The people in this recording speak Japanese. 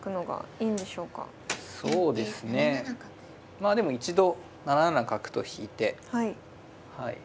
まあでも一度７七角と引いて。